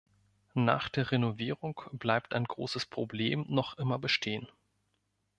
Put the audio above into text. Nach der Renovierung bleibt ein großes Problem noch immer bestehen.